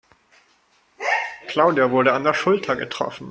Claudia wurde an der Schulter getroffen.